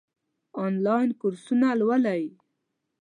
آنلاین کورسونه لولئ؟